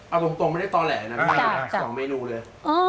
เอาตรงไม่ได้ตอแหลนะทั้งสองเมนูเลย